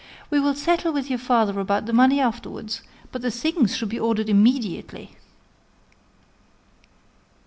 We will settle with your father about the money afterwards; but the things should be ordered immediately."